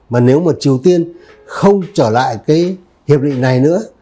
mà nếu mà triều tiên không trở lại cái hiệp định này nữa